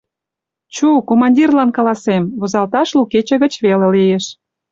— Чу, командирлан каласем: возалташ лу кече гыч веле лиеш.